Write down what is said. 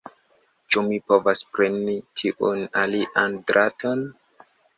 Ĉu mi povas preni tiun alian draton?